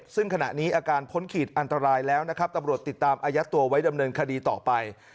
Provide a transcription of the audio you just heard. ซึ่งขณะนี้อาการพ้นขีดอันตรายแล้วนะครับตำรวจติดตามอายัดตัวไว้ดำเนินคดีต่อไป